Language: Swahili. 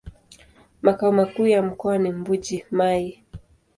Makao makuu ya mkoa ni Mbuji-Mayi.